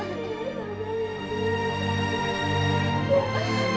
ibu mau ketemu davina